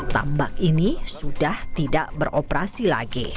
tambak ini sudah tidak beroperasi lagi